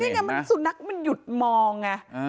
นี่ไงมันสุนัขมันหยุดมองไง